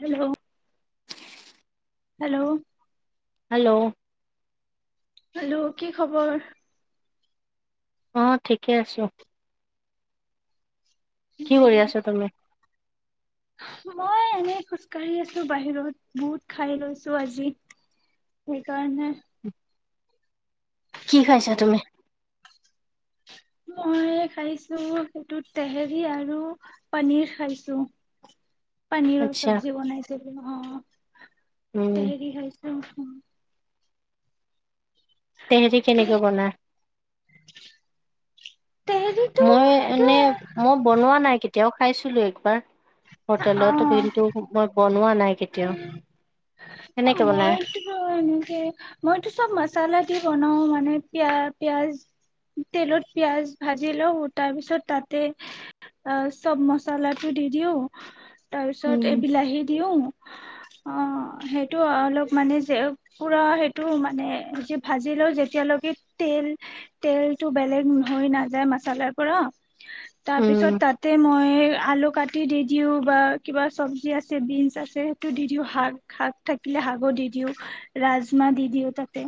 Hello. Hello? Hello? Hello, কি খবৰ? অ ঠিকে আছো। কি কৰি আছ তুমি? মই এনেই খোজকাঢ়ি আছো বাহিৰত বহুত খাই লৈছো আজি সেইকাৰণে [inaudible] কি খাইছা তুমি? মই খাইছো সেইটোত টেহেৰি আৰু পনীৰ খাইছো। পনীৰৰ আচ্ছা চব্জি বনাইছিলো। অ' উম উহ, তেহেৰী কি কেনেকে বনাই? তেহেৰিটো মই এনে সেইটোয়ে মই বনোৱা নাই। এতিয়াও খাইছিলো একবাৰ। অ হোটেলত কিন্তু মই বনোৱা নাই কেতিয়াও। অ' কেনেকে বনাই মইতো এনেকে মইতো চব মচালা দি বনাও মানে পিয়া, পিয়াজ তেলত পিয়াজ ভাজি লওঁ তাৰপিছত তাতে চব মচলাটো দি দিওঁ। তাৰ পিছত উম এই বিলাহী দিওঁ। অ' সেইটো টো অলপ মানে যে পুৰা সেইটো মানে যি ভাজি লওঁ, যেতিয়ালৈকে তেল-তেলটো বেলেগ হৈ নাযায় মাছলাৰ পৰা উম তাৰপিছত তাতে মই আলু কাটি দি দিওঁ বা কিবা চব্জি আছে বিনচ আছে সেইটো দি দিওঁ শাক-শাক। থাকিলে শাকো দি দিওঁ, ৰাজমাহ দি দিও তাতে,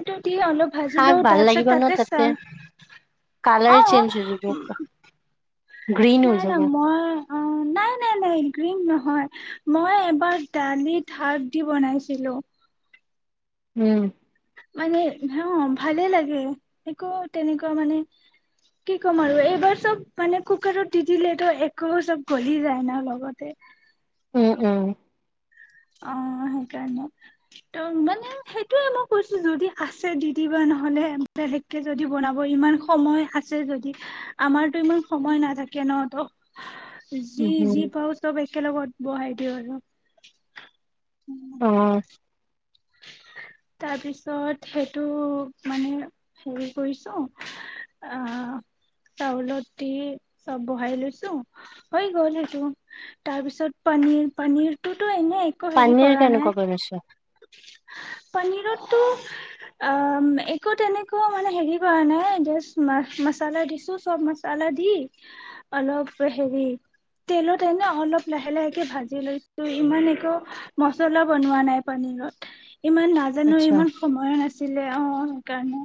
এইটো অলপ ভাজি শাক লও, ভাল তাৰপিছত লাগিব ন তাতে চাল, কালাৰ চেঞ্জ হৈ অহ। যাব গ্ৰীণ হৈ যাব নাই-নাই, মই অ' নাই-নাই-নাই, গ্ৰীণ নহয় মই এবাৰ দালিত শাক দি বনাইছিলো। উম, মানে হ ভালে লাগে, একো তেনেকুৱা মানে কি ক'ম আৰু এইবাৰ চব মানে কুকাৰত দি দিলেতো একো চব গলি যায় না লগতে। উম-উম, অ' সেইকাৰণে ত মানে সেইটোয়ে মই কৈছো যদি আছে দি-দিবা, নহলে বেলেগকে যদি বনাব ইমান সময় আছে যদি আমাৰতো ইমান সময় নাথাকে ন? ত উম উম যি-যি পাও চব এক একেলগত বহাই দিওঁ আৰু। অ' তাৰপিছত সেইটো মানে হেৰি কৰিছো, আহ চাউলত দি চব বহাই লৈছো হৈ গল, সেইটো তাৰপিছত পনীৰ-পনীৰটো পনীৰ কেনেকুৱা কৰি লৈছ? পনিৰতটো অ' একো তেনেকুৱা মানে হেৰি কৰা নাই, জাষ্ট মা-মছালা দিছো চব মছালা দি অলপ হেৰি তেলত এনে অলপ লাহে লাহেকে ভাজি লৈছো ইমান একো মচলা বনোৱা নাই। পানীৰীৰত। ইমান নাজানো আচ্ছা ইমান সময়ো নাছিল। ছিলে অ সেইকাৰণে।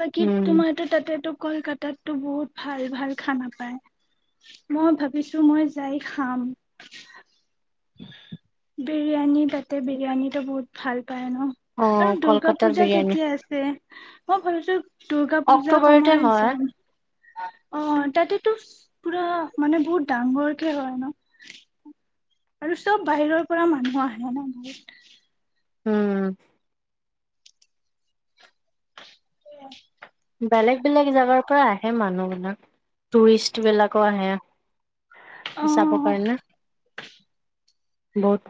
বাকি উম তোমাৰো তাতেতো কলকাতাতটো বহুত ভাল ভাল খানা পায় মই ভাবিছো মই যাই খাম। বিৰিয়ানী টাইপ তাতে বিৰিয়ানী বহুত ভাল পাওঁ ন অ আৰু দুৰ্গা কলকাতাৰ পূজা বিৰিয়ানী কেতিয়া আছে, মই ভাবিছো দুৰ্গা পূজা অক্টোবৰতে সময়ত হয় যাম। অ' তাতেতো পুৰা মানে বহুত ডাঙগৰকে হয়। ন' আৰু চব বাহিৰৰ পুৰা মানুহ আহে ন বহুত। উম। [unintelligible] [inaudible] বেলেগ বেলেগ জেগাৰ পৰা আহে মানুহবিলাক, টুৰিষ্টবিলাকো আহে। অ চাব পাৰে না?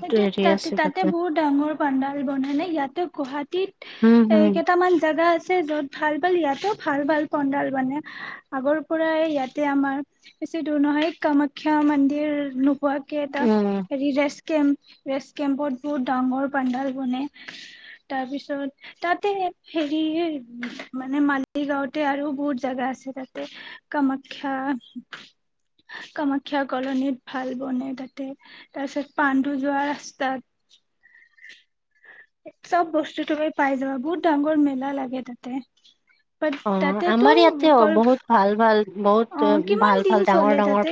সেইটো তাতে তাতে বহুত ডাঙৰ পাডাল বন নাই ইয়াতে গুৱাহাটীত উম এ হম কেইটামান জেগা আছে। যত ভাল ভাল ইয়াতো ভাল ভাল পেণ্ডেল মানে আগৰ পৰাই ইয়াতে আমাৰ বেছি দূৰ নহয় কামাখ্যা মন্দিৰ। খুৱা কেইটা উম ৰিজেচ। কেম্প ৰেষ্ট কেম্পত বহুত ডাঙৰ পেণ্ডেল বনাই তাৰপিছত তাতে হেৰি মানে মালিগাঁওতে আৰু বহুত জেগা আছে তাতে কামাখ্যা কামাখ্যা কলনীত ভাল বনে তাতে তাৰপিছত। পাণ্ডু যোৱা ৰাস্তাত। চব বস্তু তুমি পাই যাবা, বহুত ডাঙৰ মেলা লাগে তাতে। বাট অ তাতেতো আমাৰ ইয়াতেও কল বহুত ভাল ভাল। বহুত অ কিমান ভাল দিন ভাল ডাঙৰ চলে ডাঙৰ তাতে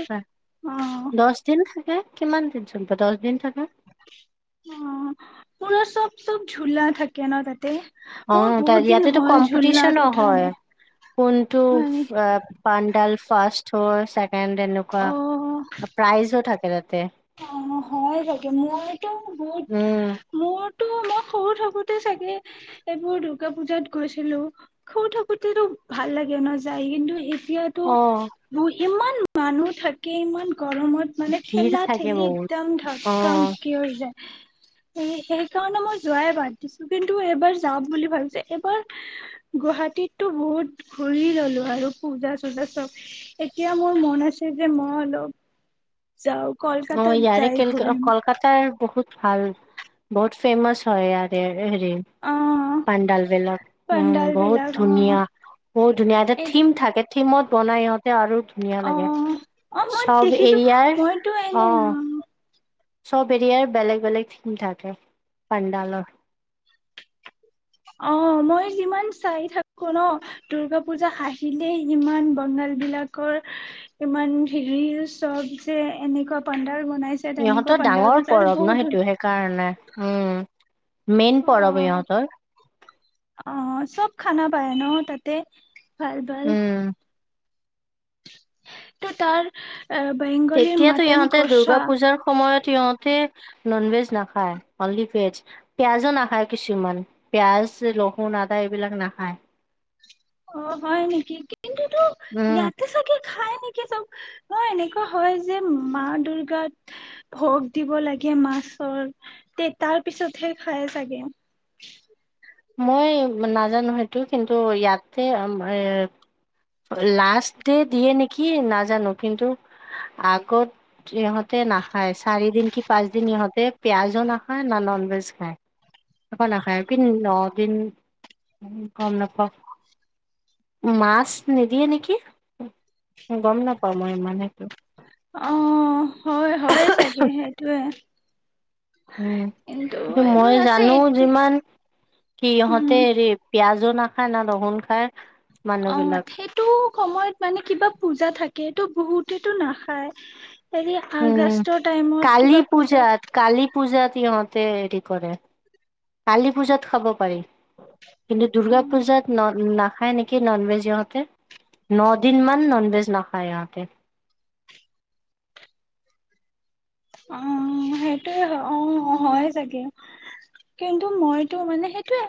অ দহ দিন। হে কিমান দিন চলিব দহ দিন থাকে অ পোনৰা [unintelligible] চব চব ঝোলা থাকে ন তাতে? অ মোৰ ত বহুত দিন ইয়াতেতো হ'ল ঝুলাত কম্পিটিচনো উঠা হয় নাই কোনটো হয় পেণ্ডেল ফাৰ্ষ্ট। চ চাক। [unintelligible] সে তেনেকুৱা অ প্ৰাইজো থাকে। [unintelligible] [unintelligible] অ হয় চাগে মইতো বহুত উম মোৰ। ত মই সৰু থাকোতে চাগে এইবোৰ দুূৰ্গা পুজাত গৈছিলো সৰু থাকোতে টো ভাল লাগে ন যাই কিন্তু। এতিয়া টো অ মই। ইমান মানুহ থাকে ইমান। গৰমত মানে ভিৰ ঠেলা। থাকে গ'লে বহুত একদম ধক্কা অ মিকি হৈ যায়। সেইকাৰণে মই যোৱাই বাদ দিছো কিন্তু এইবাৰ যাম বুলি ভাবিছো। এইবাৰ গুৱাহাটীতটো বহুত ঘুৰি ললো আৰু পূজা চুজা চব, এতিয়া মোৰ মন আছে যে মই অলপ যাওক। অ ইয়াৰে কলকাতাৰ বহুত। ভাল বহুত ফেমাচ হয় ইয়াৰে। হেৰি অ' পেণ্ডেল বিলাক পাণ্ডাল উম বহুত বিলাক অ' ধুনীয়া বহুত ধুনীয়া এটা এই থিম থাকে। থিমত বনাই আৰু ধুনীয়া লাগে, অ', অ', মই চব দেখিছো মইতো এৰিয়াৰ অ এনে চব এৰিয়াৰ বেলেগ বেলেগ থিম থাকে পানডালৰ। অ মই যিমান চাই থাকো ন দুৰ্গা পূজা আহিলেই ইমান বঙালবিলাকৰ ইমান হেৰি চব যে এনেকুৱা পাণ্ডাল বনাইছে তেনেকুৱা ইহঁতৰ পাণ্ডাল ডাঙৰ বনাইছে আৰু পৰৱ বহুত ন ধুন সেইটো সেইকাৰণে উম। মেইন পৰব অ', ইহঁতৰ। অ', চব খানা পায় ন তাতে? ভাল ভাল। উম তো তাৰ বেংগলীৰ তেতিয়াতো মটন ইহঁতে দুৰ্গা কষা পূজাৰ সময়ত ইহঁতে ননভেজ নাখায়। অনলি ভেজ, পিয়াজো নাখায় কিছুমান পিয়াজ লহুন আদা এইবিলাক নাখায়। অ' হয় নেকি কিন্তু তো উম ইয়াতে চাগে খাই নেকি চব ন, এনেকুৱা হয় যে মা দুৰ্গাত ভোগ দিব লাগে মাছৰ, তে তাৰ পিছতহে খাই চাগে। মই নাজানো সেইটো কিন্তু ইয়াতে এ লাষ্ট ডে দিয়ে নেকি নাজানো কিন্তু আগত ইহঁতে নাখায় চাৰি দিন কি পাঁচদিন ইহঁতে পিয়াজো নাখায় না নন ভেজ খায়। একো নাখায় কি ন' দিন গম নাপাওঁ মাছ নিদিয়ে নেকি গম নাপাও মই ইমানেতো। অ' হয় হয় চাগে সেইটোৱে উম কিন্তু এইবোৰ মই আছে জানো এ যিমান কি ইহঁতে উম, হেৰি পিয়াজো না ৰহুন খাই। অ সেইটো সময়ত মানে কিবা পূজা থাকে। টো বহুতেতটো নাখায়। এৰি উম আগষ্টৰ টাইমত কালী কিবা পূজাত কালী পূজাত ইহঁতে হেৰি কৰে, কালী পূজাত খাব পাৰি। কিন্তু দুৰ্গা পূজাত ন-নাখা খায় নেকি নন ভেজ ইহঁতে ন দিন মান ননভেজ নাখায় ইহঁতে। অ' সেইটোয়ে হয় অ হয় চাগে কিন্তু মইতো মানে সেইটোয়ে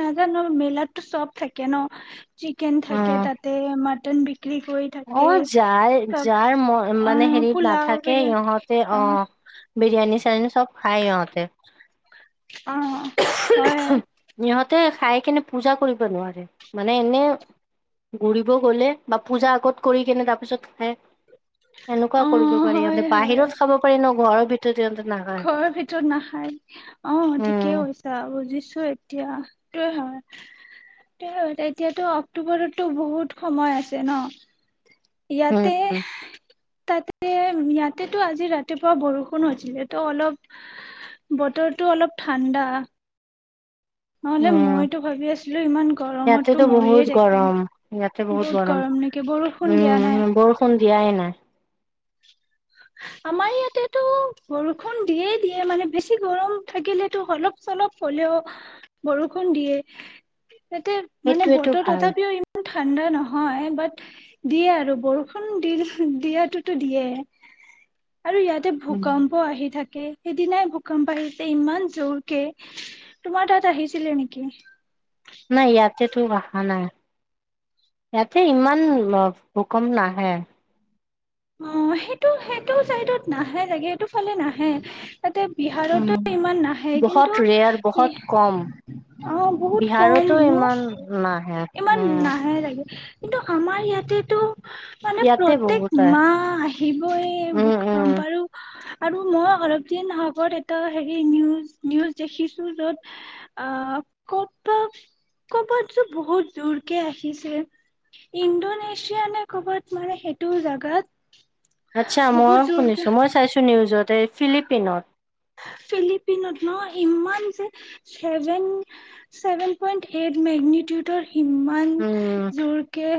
নাজানো মেলাতো চব থাকে ন। চিকেন অ থাকে তাতে মাটন বিক্ৰী কৰি থাকে অ' যাৰ চব যাৰ ম অ মানে হেৰিত পোলাও নাথাকে বিৰিয়ানী ইিহঁতে অ বিৰিয়ানী ছিৰিয়ানী চব খায় ইহতে। অ' হয়। ইহঁতে খাই কেনে পূজা কৰিব নোৱাৰে, মানে এনে ঘূৰিব গ'লে বা পূজা আগত কৰি কেনে তাৰ পিছত খাই। এনেকুৱাও অ কৰিব পাৰি ইহঁতে হয় হয় বাহিৰত খাব পাৰি ন ঘৰত ভিতৰত সিহঁতে নাখায়। ঘৰৰ ভিতৰত নাখাই অ' ঠিকেই উম কৈছা বুজিছো। টো এতিয়া ইয়াতে উম। তাতে। তাতেতো আজি ৰাতিপুৱা বৰষুণ হৈছিলে টো অলপ বতৰটো অলপ ঠাণ্ডা। নহ'লে, উম মইতো ভাবি আছিলো ইমান গৰমততো ইয়াতেতো বহুত মৰিয়ে থাকিম গৰম ইয়াতে বহুত গৰম নেকি বৰষুণ দিয়া উম নাই? বৰষুণ দিয়াই নাই আমাৰ ইয়াতেতো বৰষুণ দিয়েই দিয়ে মানে বেছি গৰম থাকিলেতো অলপ চলপ হ'লেও বৰষুণ দিয়ে। তাতে মানে সেইটোৱেতো বতৰ ভাল তথাপিও ইমান ঠাণ্ডা নহয় হয় বাট দিয়ে আৰু বৰষুণ দি দিয়াতোটো দিয়ে আৰু ইয়াতে উম। ভূকম্প আহি থাকে থাকে সেইদিনাই ভূকম্প আহিছে ইমান জোৰকে তোমাৰ তাত আহিছিলে নেকি নাই ইয়াতেতো অহা নাই ইয়াতে ইমান ভূকম্প নাহে অ সেইটো সেইটোও চাইডত নাহে জাগে সেইটো ফালে নাহে তাতে বিহাৰতো উম ইমান নাহে বহুত কিন্তু ৰেয়াৰ বহুত কম। আহ বহুত কম বিহাৰতো ন ইমান নাহে ইমান উম নাহে চাগে কিন্তু আমাৰ ইয়াতেতো মানে ইয়াতে প্ৰত্যেক বহুত আহে মাহ আহিবই উম উম। ভূকম্প আৰু আৰু মই অলপ দিন আগত এটা হেৰি নিউজ নিউজ দেখিছো য'ত আহ কবাত কবাত যো বহুত জোৰকে আহিছে ইণ্ডোনেছিয়া নে ক'ৰবাত মানে সেইটোও যাব গাত আচ্ছা মই শুনিছো মই চাইছোঁ নিউজতে ফিলিপিনত ফিলিপিনত ন ইমান যে চেভেন চেভেন পইণ্ট এইট মেগনিটিউতৰ ইমান উম জোৰকে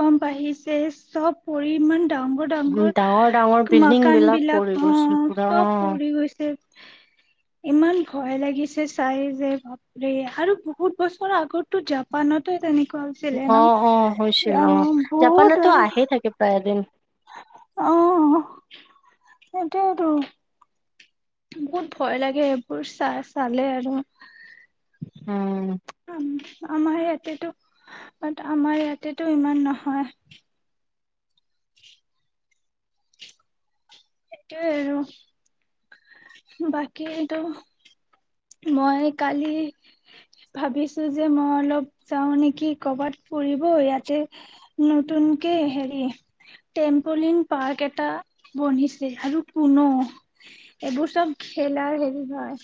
কম বাঢ়িছে চব পৰিমাণ ডাঙৰ উম ডাঙৰ বিল্ডিং মাকান বিলাক পৰি হ গৈছে পুৰা চব অ পৰি গৈছে ইমান ভয় লাগিছে চাই যে বাপৰে আৰু বহুত বছৰ আগত টো জাপানতে তেনেকুৱা হৈছিলে ন অ অ হৈছিল অ জাপানতো আহে থাকে প্ৰায় এদিন অহ সেইটোৱেইতো বহুত ভয় লাগে এইবোৰ চা চালে আৰু উম আম আমাৰ ইয়াতেটো আমাৰ ইয়াতেটো ইমান নহয় সেইটোৱে আৰু বাকীতো মই কালি ভাবিছোঁ যে মই অলপ যাওঁ নেকি ক'ৰবাত ফুৰিব ইয়াতে নতুনকে হেৰি টেম্পলিন পাৰ্ক এটা বনিছ আৰু পোনো এইবোৰ চব খেলাৰ হেৰি হয়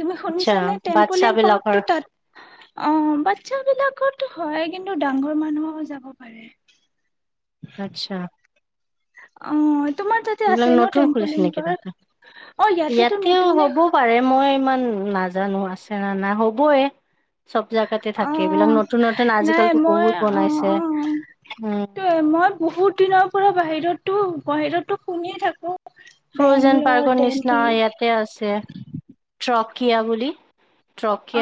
তুমি আচ্ছা শুনিছানে বাচ্ছা টেম্পলিয়ান বিলাকৰ পাৰ্কটো তাত অ বাদচা বিলাকতো হয় কিন্তু ডাঙৰ মানুহো যাব পাৰে আচ্ছা অহ এইবিলাক নতুন খুলিছে নেকি তাতে অ ইয়াতেতো ইয়াতেও নতুনে হ'ব পাৰে মই ইমান নাজানো আছে নে নাই হ'বই চব জাগাতে থাকে এইবিলাক অহ, নতুন নতুন নাই আজিকালিতো মই বহুত বনাইছে অ-অ উম ত মই বহুত দিনৰ পৰা বাহিৰত তো বাহিৰতো শুনিয়ে থাকো ফ্ৰজেন বেংলৰ, পাৰ্কৰ নিচিনা দেলহি ইয়াতে আছে। ট্ৰক কিয় বুলি।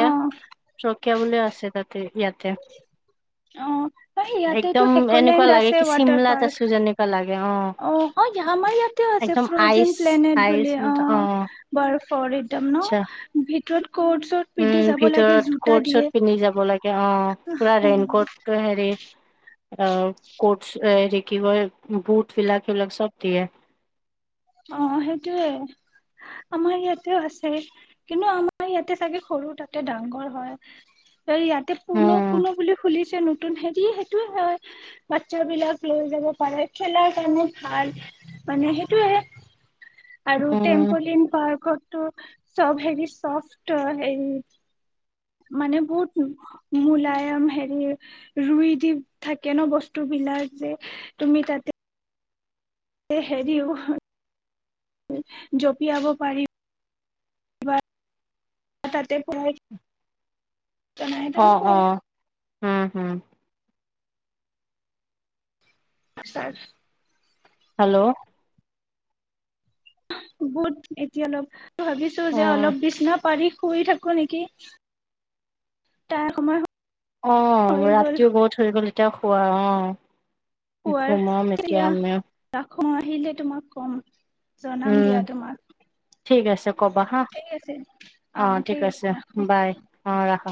অ', বুলি আছে তাতে। ইয়াতে অ', ইয়াতেতো একদম এনেকুৱা হেকলেণ্ড লাগে আছে কি ৱাটাৰ চিমলাত পাৰ্ক আছো যেনেকুৱা লাগে। অ', - অ', আমাৰ ইয়াতে আছে একদম ফ্ৰজেন আইচ প্লেনেট আইচ বুলি অ', বাৰফৰ একদম ন আচ্ছা ভিতৰত ক'ৰ্ট চট পিন্ধি উম যাব লাগে ভিতৰত জোতা কোট চট দিয়ে। পিন্ধি যাব লাগে অ পুৰা ৰেইনকোট হেৰি অ', কটচ হেৰি কি কয় বুট ফিলাকল চব দিয়ে। অ ', সেইটোয়ে আমাৰ ইয়াতেও আছে কিন্তু আমাৰ ইয়াতে চাগে সৰু তাতে ডাঙগৰ হয়। ত ইয়াতে পুনো- উম পুনো বুলি খুলি নতুন হেৰি সেইটোয়ে হয়', বাচ্ছাবলাক লৈ যাব পাৰে খেলাৰ কাৰণে ভাল মানে সেইটোয়ে আৰু উম টেম্পলিন পাৰ্কতো চব হেৰি চফট হে মানে বহুত মূলায়ম হেৰি ৰুই দি থাকে ন বস্তু বিলাক যে তুমি তাতে হেৰিও, জঁপিয়াব পাৰি, তাতে প ত নাই তেনেকুৱা অ উম-হুম আচাদ হেল্ল'? বহুত এতিয়া অলপ ভাবিছো যে অলপ বিছনা পাৰি শুই থাকো নেকি? তাৰ সময় হৈ অ', গ'ল ৰাতিও বহত ধৰিব লিব এয়া খোৱা অ', ঘুমাম এতিয়া আমিও। খ আহিলে তোমাক কম। জনাম উম', দিয়া তোমাক ঠিক আছে কবা হা ঠিক আছে অ', ঠিক আছে বাই অ', ৰাখ।